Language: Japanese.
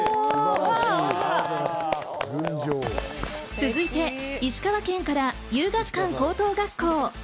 続いて石川県から遊学館高等学校。